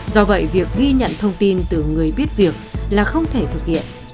do vậy việc ghi nhận thông tin từ người biết việc là không thể thực hiện